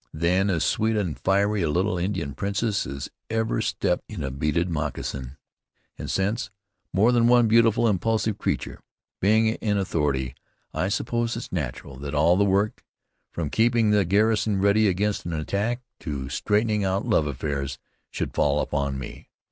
Then as sweet and fiery a little Indian princess as ever stepped in a beaded moccasin, and since, more than one beautiful, impulsive creature. Being in authority, I suppose it's natural that all the work, from keeping the garrison ready against an attack, to straightening out love affairs, should fall upon me.